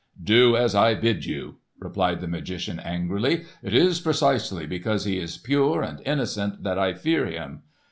"Do as I bid you!" replied the magician, angrily. "It is precisely because he is pure and innocent that I fear him.